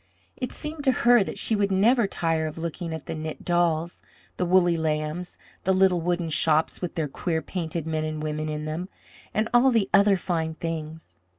It seemed to her that she would never tire of looking at the knit dolls, the woolly lambs, the little wooden shops with their queer, painted men and women in them, and all the other fine things.